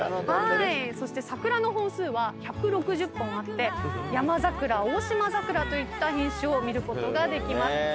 そして桜の本数は１６０本あってヤマザクラオオシマザクラといった品種を見ることができます。